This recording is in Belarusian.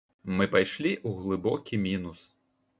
Мы пайшлі ў глыбокі мінус.